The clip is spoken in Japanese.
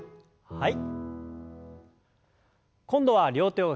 はい。